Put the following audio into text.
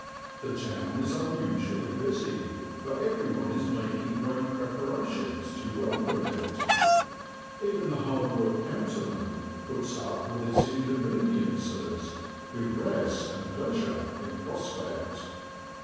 The town is unusually busy, for everyone is making great preparations to welcome it. Even the hard worked counterman puts up with its inconveniences, with rest and pleasure in prospect.